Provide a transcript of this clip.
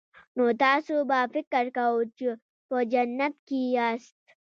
نو تاسو به فکر کاوه چې په جنت کې یاست